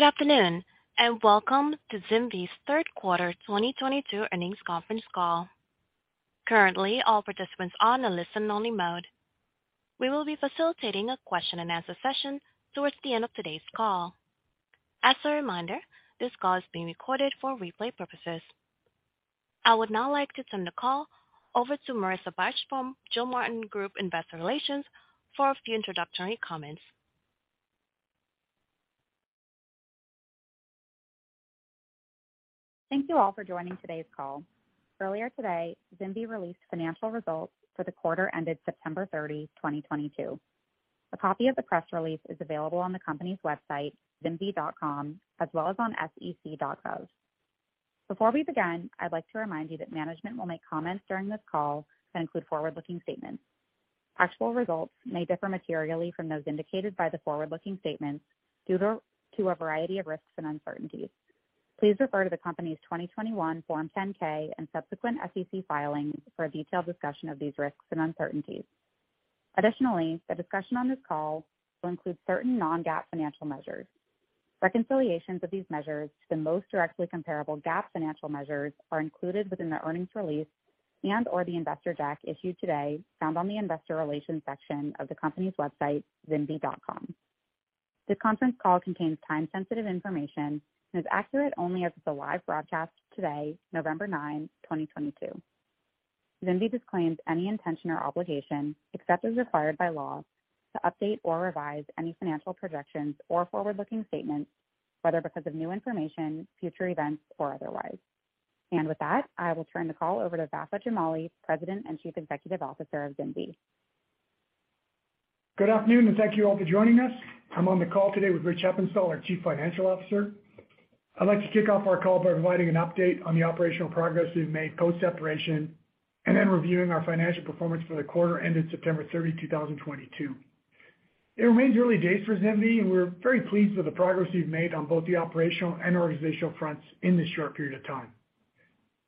Good afternoon, and welcome to ZimVie's Third Quarter 2022 Earnings Conference Call. Currently, all participants are in listen-only mode. We will be facilitating a question-and-answer session towards the end of today's call. As a reminder, this call is being recorded for replay purposes. I would now like to turn the call over to Marissa Bych from Gilmartin Group Investor Relations for a few introductory comments. Thank you all for joining today's call. Earlier today, ZimVie released financial results for the quarter ended September 30, 2022. A copy of the press release is available on the company's website, zimvie.com, as well as on sec.gov. Before we begin, I'd like to remind you that management will make comments during this call that include forward-looking statements. Actual results may differ materially from those indicated by the forward-looking statements due to a variety of risks and uncertainties. Please refer to the company's 2021 Form 10-K and subsequent SEC filings for a detailed discussion of these risks and uncertainties. Additionally, the discussion on this call will include certain non-GAAP financial measures. Reconciliations of these measures to the most directly comparable GAAP financial measures are included within the earnings release and/or the investor deck issued today found on the investor relations section of the company's website, zimvie.com. This conference call contains time-sensitive information and is accurate only as of the live broadcast today, November 9, 2022. ZimVie disclaims any intention or obligation, except as required by law, to update or revise any financial projections or forward-looking statements, whether because of new information, future events, or otherwise. With that, I will turn the call over to Vafa Jamali, President and Chief Executive Officer of ZimVie. Good afternoon, and thank you all for joining us. I'm on the call today with Rich Heppenstall, our Chief Financial Officer. I'd like to kick off our call by providing an update on the operational progress we've made post-separation and then reviewing our financial performance for the quarter ended September 30, 2022. It remains early days for ZimVie, and we're very pleased with the progress we've made on both the operational and organizational fronts in this short period of time.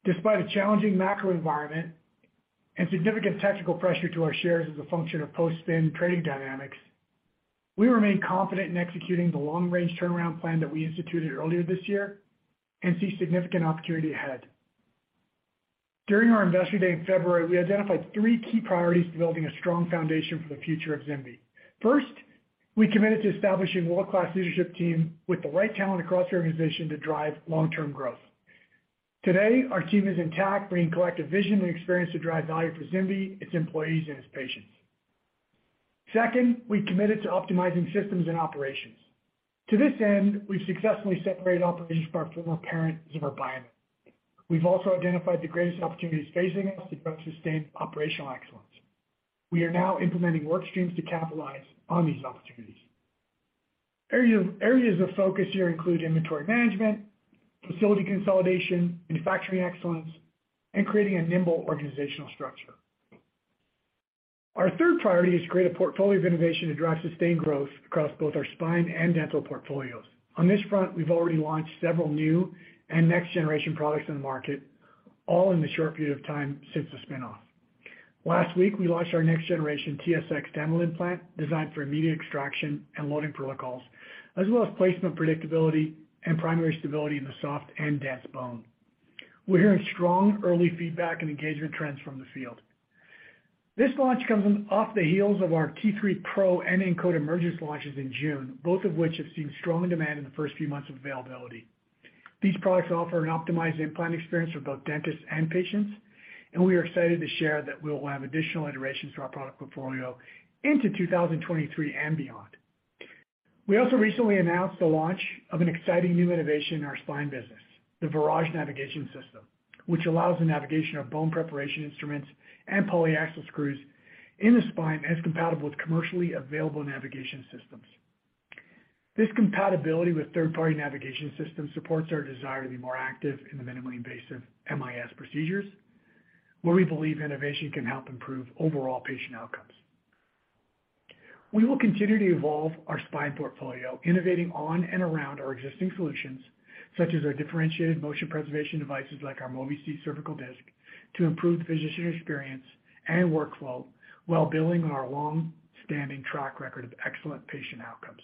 Despite a challenging macro environment and significant technical pressure to our shares as a function of post-spin trading dynamics, we remain confident in executing the long-range turnaround plan that we instituted earlier this year and see significant opportunity ahead. During our Investor Day in February, we identified three key priorities to building a strong foundation for the future of ZimVie. First, we committed to establishing world-class leadership team with the right talent across the organization to drive long-term growth. Today, our team is intact, bringing collective vision and experience to drive value for ZimVie, its employees, and its patients. Second, we committed to optimizing systems and operations. To this end, we've successfully separated operations from our former parent, Zimmer Biomet. We've also identified the greatest opportunities facing us to drive sustained operational excellence. We are now implementing work streams to capitalize on these opportunities. Areas of focus here include inventory management, facility consolidation, manufacturing excellence, and creating a nimble organizational structure. Our third priority is to create a portfolio of innovation to drive sustained growth across both our spine and dental portfolios. On this front, we've already launched several new and next-generation products in the market, all in the short period of time since the spin-off. Last week, we launched our next-generation TSX Dental Implant designed for immediate extraction and loading protocols, as well as placement predictability and primary stability in the soft and dense bone. We're hearing strong early feedback and engagement trends from the field. This launch comes off the heels of our T3 PRO and Encode Emergence launches in June, both of which have seen strong demand in the first few months of availability. These products offer an optimized implant experience for both dentists and patients, and we are excited to share that we will have additional iterations to our product portfolio into 2023 and beyond. We also recently announced the launch of an exciting new innovation in our spine business, the Virage Navigation System, which allows the navigation of bone preparation instruments and polyaxial screws in the spine that's compatible with commercially available navigation systems. This compatibility with third-party navigation systems supports our desire to be more active in the minimally invasive MIS procedures, where we believe innovation can help improve overall patient outcomes. We will continue to evolve our spine portfolio, innovating on and around our existing solutions, such as our differentiated motion preservation devices like our Mobi-C Cervical Disc, to improve physician experience and workflow while building on our long-standing track record of excellent patient outcomes.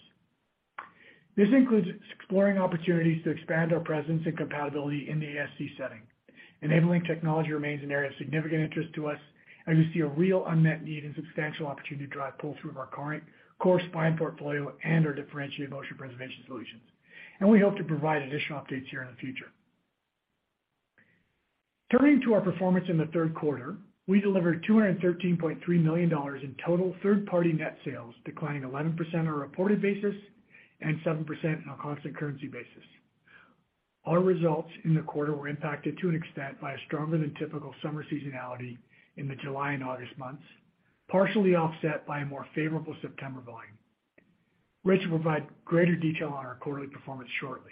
This includes exploring opportunities to expand our presence and compatibility in the ASC setting. Enabling technology remains an area of significant interest to us as we see a real unmet need and substantial opportunity to drive pull-through of our current core spine portfolio and our differentiated motion preservation solutions. We hope to provide additional updates here in the future. Turning to our performance in the third quarter. We delivered $213.3 million in total third-party net sales, declining 11% on a reported basis and 7% on a constant currency basis. Our results in the quarter were impacted to an extent by a stronger than typical summer seasonality in the July and August months, partially offset by a more favorable September volume. Rich will provide greater detail on our quarterly performance shortly.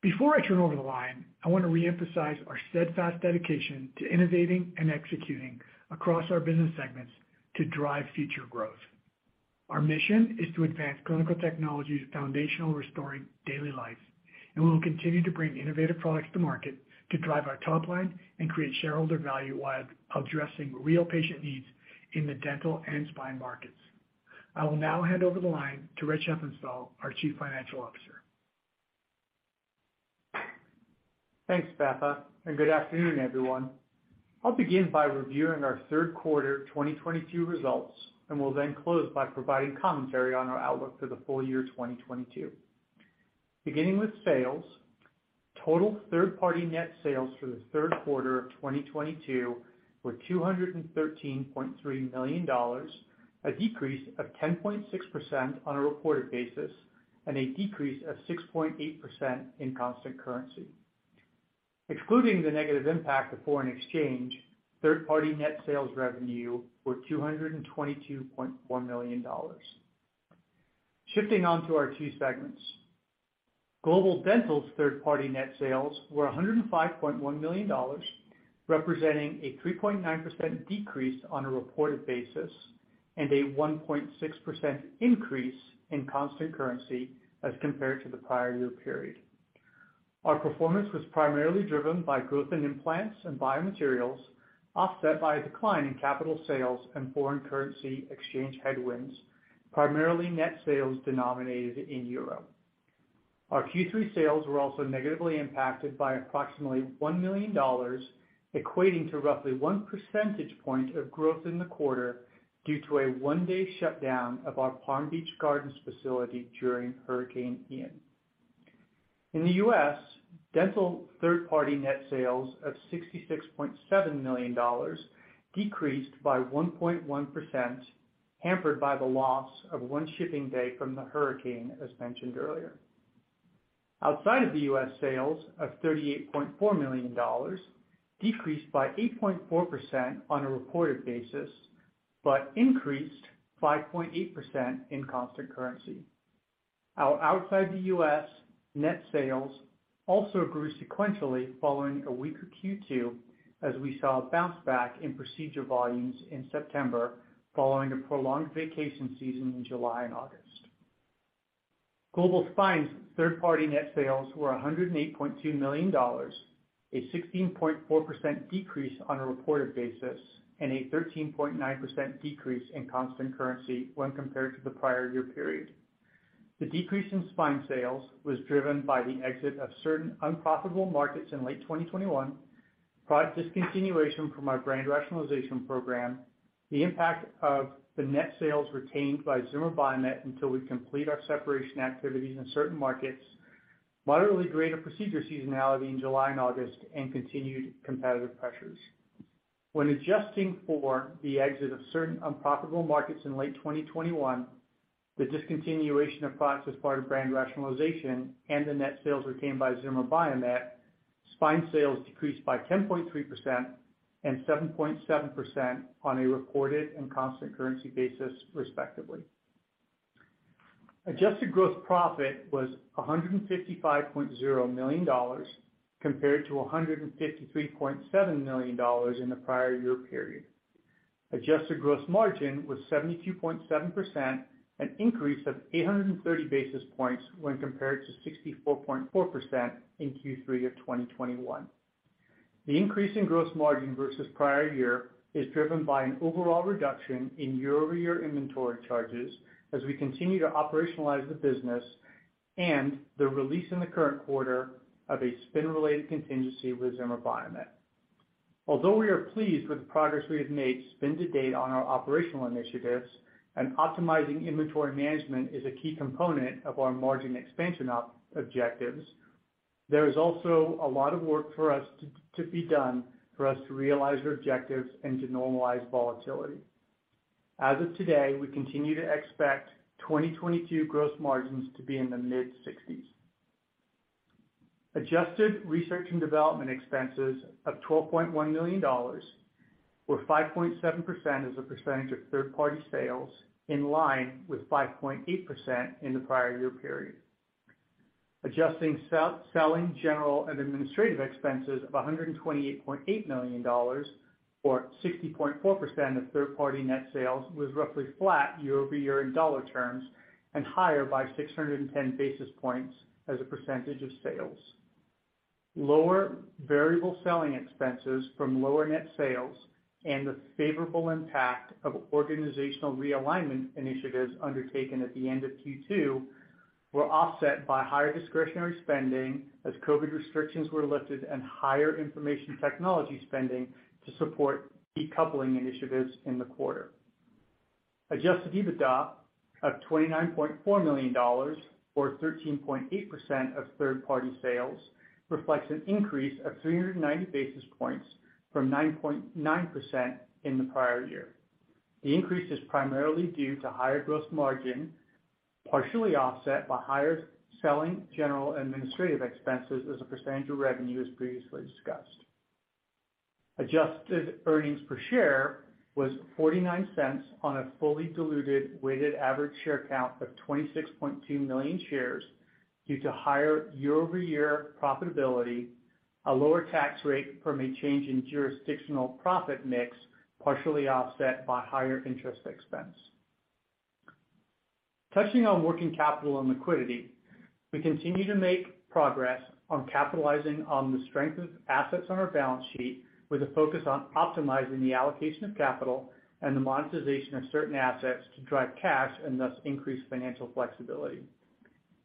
Before I turn it over to Rich, I want to reemphasize our steadfast dedication to innovating and executing across our business segments to drive future growth. Our mission is to advance clinical technology's foundational restoring daily lives. We will continue to bring innovative products to market to drive our top line and create shareholder value while addressing real patient needs in the dental and spine markets. I will now hand over the line to Rich Heppenstall, our Chief Financial Officer. Thanks, Vafa, and good afternoon, everyone. I'll begin by reviewing our third quarter 2022 results, and will then close by providing commentary on our outlook for the full year 2022. Beginning with sales, total third-party net sales for the third quarter of 2022 were $213.3 million, a decrease of 10.6% on a reported basis, and a decrease of 6.8% in constant currency. Excluding the negative impact of foreign exchange, third-party net sales revenue were $222.4 million. Shifting on to our two segments. Global Dental's third-party net sales were $105.1 million, representing a 3.9% decrease on a reported basis and a 1.6% increase in constant currency as compared to the prior year period. Our performance was primarily driven by growth in implants and biomaterials, offset by a decline in capital sales and foreign currency exchange headwinds, primarily net sales denominated in euro. Our Q3 sales were also negatively impacted by approximately $1 million, equating to roughly 1 percentage point of growth in the quarter due to a one-day shutdown of our Palm Beach Gardens facility during Hurricane Ian. In the U.S., dental third-party net sales of $66.7 million decreased by 1.1%, hampered by the loss of one shipping day from the hurricane, as mentioned earlier. Outside of the U.S., sales of $38.4 million decreased by 8.4% on a reported basis, but increased 5.8% in constant currency. Our outside the U.S. Net sales also grew sequentially following a weaker Q2, as we saw a bounce back in procedure volumes in September following a prolonged vacation season in July and August. Global Spine's third-party net sales were $108.2 million, a 16.4% decrease on a reported basis and a 13.9% decrease in constant currency when compared to the prior year period. The decrease in spine sales was driven by the exit of certain unprofitable markets in late 2021, product discontinuation from our brand rationalization program, the impact of the net sales retained by Zimmer Biomet until we complete our separation activities in certain markets, moderately greater procedure seasonality in July and August, and continued competitive pressures. When adjusting for the exit of certain unprofitable markets in late 2021, the discontinuation of products as part of brand rationalization and the net sales retained by Zimmer Biomet, spine sales decreased by 10.3% and 7.7% on a reported and constant currency basis, respectively. Adjusted gross profit was $155.0 million, compared to $153.7 million in the prior year period. Adjusted gross margin was 72.7%, an increase of 830 basis points when compared to 64.4% in Q3 of 2021. The increase in gross margin versus prior year is driven by an overall reduction in year-over-year inventory charges as we continue to operationalize the business and the release in the current quarter of a spin-related contingency with Zimmer Biomet. Although we are pleased with the progress we have made to date on our operational initiatives and optimizing inventory management is a key component of our margin expansion objectives, there is also a lot of work for us to be done for us to realize our objectives and to normalize volatility. As of today, we continue to expect 2022 gross margins to be in the mid-60s. Adjusted research and development expenses of $12.1 million were 5.7% as a percentage of third-party sales, in line with 5.8% in the prior year period. Adjusted selling, general, and administrative expenses of $128.8 million or 60.4% of third-party net sales was roughly flat year-over-year in dollar terms and higher by 610 basis points as a percentage of sales. Lower variable selling expenses from lower net sales and the favorable impact of organizational realignment initiatives undertaken at the end of Q2 were offset by higher discretionary spending as COVID restrictions were lifted and higher information technology spending to support decoupling initiatives in the quarter. Adjusted EBITDA of $29.4 million or 13.8% of third-party sales reflects an increase of 390 basis points from 9.9% in the prior year. The increase is primarily due to higher gross margin, partially offset by higher selling, general, and administrative expenses as a percentage of revenue, as previously discussed. Adjusted earnings per share was $0.49 on a fully diluted weighted average share count of 26.2 million shares due to higher year-over-year profitability, a lower tax rate from a change in jurisdictional profit mix, partially offset by higher interest expense. Touching on working capital and liquidity, we continue to make progress on capitalizing on the strength of assets on our balance sheet, with a focus on optimizing the allocation of capital and the monetization of certain assets to drive cash and thus increase financial flexibility.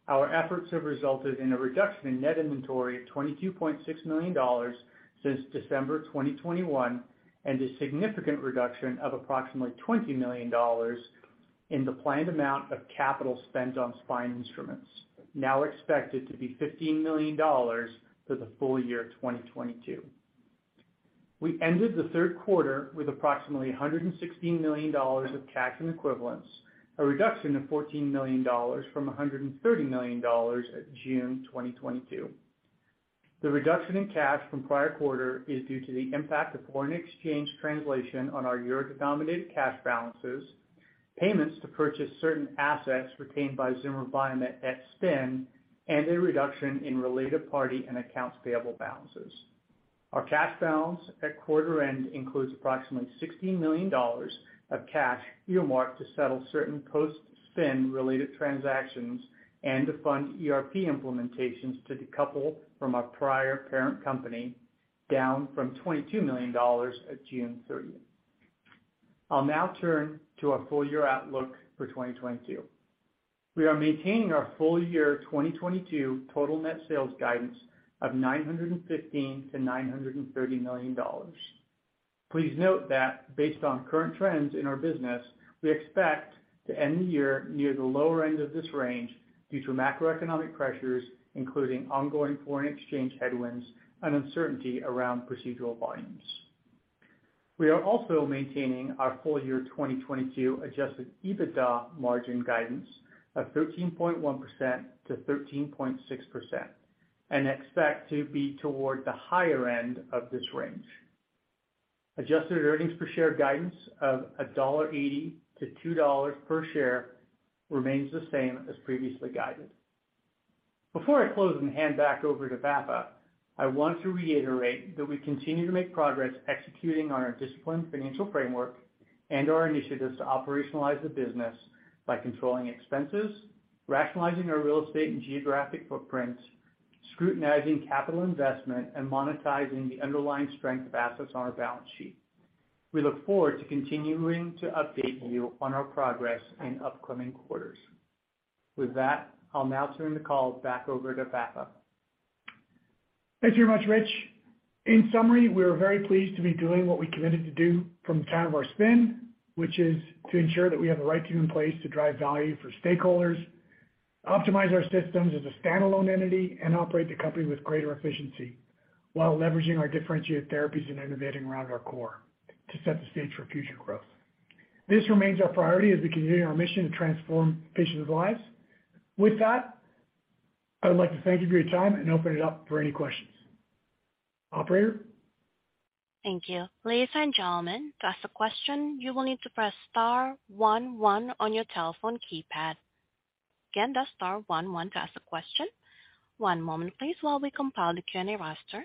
Our efforts have resulted in a reduction in net inventory of $22.6 million since December 2021, and a significant reduction of approximately $20 million in the planned amount of capital spent on spine instruments, now expected to be $15 million for the full year 2022. We ended the third quarter with approximately $116 million of cash and equivalents, a reduction of $14 million from $130 million at June 2022. The reduction in cash from prior quarter is due to the impact of foreign exchange translation on our euro-denominated cash balances, payments to purchase certain assets retained by Zimmer Biomet at spin, and a reduction in related party and accounts payable balances. Our cash balance at quarter end includes approximately $16 million of cash earmarked to settle certain post-spin related transactions and to fund ERP implementations to decouple from our prior parent company, down from $22 million at June 30. I'll now turn to our full year outlook for 2022. We are maintaining our full year 2022 total net sales guidance of $915 million-$930 million. Please note that based on current trends in our business, we expect to end the year near the lower end of this range due to macroeconomic pressures, including ongoing foreign exchange headwinds and uncertainty around procedural volumes. We are also maintaining our full year 2022 adjusted EBITDA margin guidance of 13.1%-13.6%, and expect to be toward the higher end of this range. Adjusted earnings per share guidance of $1.80-$2 per share remains the same as previously guided. Before I close and hand back over to Vafa Jamali, I want to reiterate that we continue to make progress executing on our disciplined financial framework and our initiatives to operationalize the business by controlling expenses, rationalizing our real estate and geographic footprints, scrutinizing capital investment, and monetizing the underlying strength of assets on our balance sheet. We look forward to continuing to update you on our progress in upcoming quarters. With that, I'll now turn the call back over to Vafa Jamali. Thank you very much, Rich. In summary, we are very pleased to be doing what we committed to do from the time of our spin, which is to ensure that we have the right team in place to drive value for stakeholders, optimize our systems as a standalone entity, and operate the company with greater efficiency while leveraging our differentiated therapies and innovating around our core to set the stage for future growth. This remains our priority as we continue our mission to transform patients' lives. With that, I would like to thank you for your time and open it up for any questions. Operator? Thank you. Ladies and gentlemen, to ask a question, you will need to press star one one on your telephone keypad. Again, that's star one one to ask a question. One moment, please, while we compile the Q&A roster.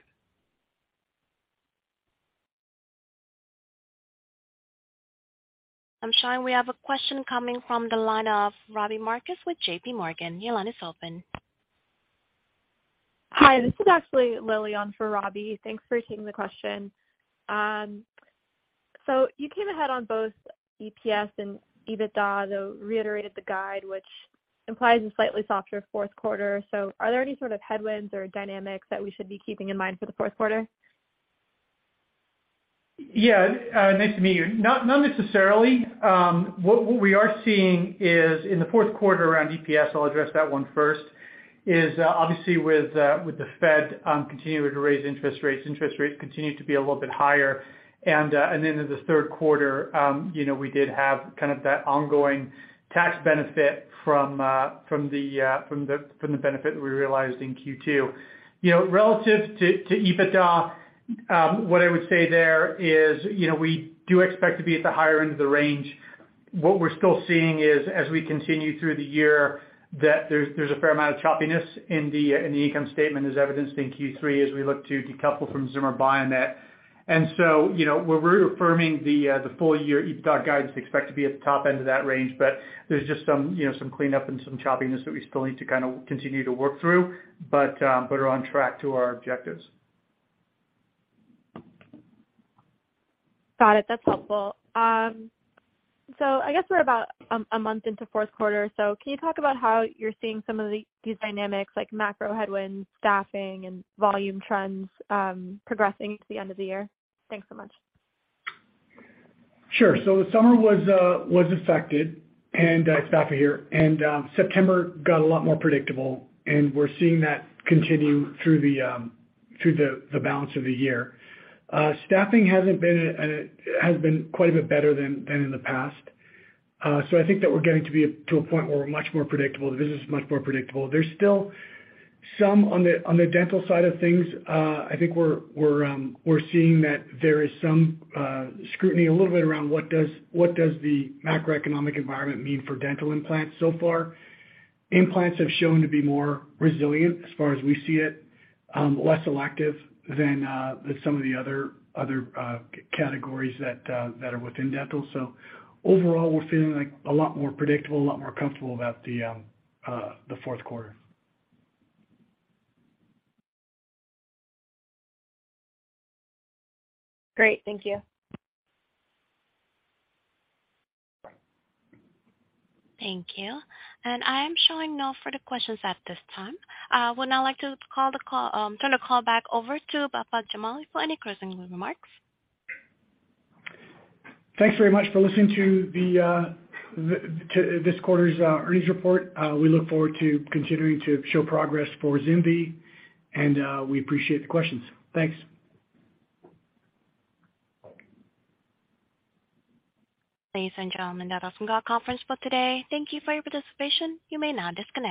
I'm showing we have a question coming from the line of Robbie Marcus with JPMorgan. Your line is open. Hi, this is actually Lilly on for Robbie. Thanks for taking the question. You came ahead on both EPS and EBITDA, though reiterated the guide, which implies a slightly softer fourth quarter. Are there any sort of headwinds or dynamics that we should be keeping in mind for the fourth quarter? Yeah. Nice to meet you. Not necessarily. What we are seeing is in the fourth quarter around EPS. I'll address that one first. It is obviously with the Fed continuing to raise interest rates. Interest rates continue to be a little bit higher. In the third quarter, you know, we did have kind of that ongoing tax benefit from the benefit we realized in Q2. You know, relative to EBITDA, what I would say there is, you know, we do expect to be at the higher end of the range. What we're still seeing is as we continue through the year, that there's a fair amount of choppiness in the income statement as evidenced in Q3 as we look to decouple from Zimmer Biomet. You know, we're reaffirming the full year EBITDA guidance expect to be at the top end of that range. There's just some, you know, some cleanup and some choppiness that we still need to kinda continue to work through, but are on track to our objectives. Got it. That's helpful. I guess we're about a month into fourth quarter. Can you talk about how you're seeing some of the, these dynamics like macro headwinds, staffing, and volume trends, progressing to the end of the year? Thanks so much. The summer was affected and it's Vafa here, and September got a lot more predictable and we're seeing that continue through the balance of the year. Staffing has been quite a bit better than in the past. I think that we're getting to a point where we're much more predictable. The business is much more predictable. There's still some on the dental side of things. I think we're seeing that there is some scrutiny a little bit around what does the macroeconomic environment mean for dental implants so far. Implants have shown to be more resilient as far as we see it, less elective than some of the other categories that are within dental. Overall, we're feeling like a lot more predictable, a lot more comfortable about the fourth quarter. Great. Thank you. Thank you. I am showing no further questions at this time. I would now like to turn the call back over to Vafa Jamali for any closing remarks. Thanks very much for listening to this quarter's earnings report. We look forward to continuing to show progress for ZimVie, and we appreciate the questions. Thanks. Ladies and gentlemen, that does conclude our conference for today. Thank you for your participation. You may now disconnect.